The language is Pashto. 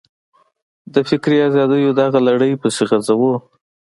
د فکري ازادیو دغه لړۍ پسې غځوو.